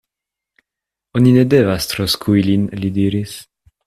Oni ne devas tro skui lin, li diris.